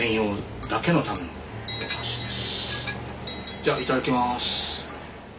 じゃいただきます。